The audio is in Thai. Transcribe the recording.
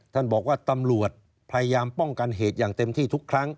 ท่านบอกว่าตำรวจพยายามป้องกันเหตุอย่างเต็มที่ทุกครั้ง